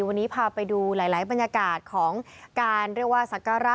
วันนี้พาไปดูหลายบรรยากาศของการเรียกว่าสักการะ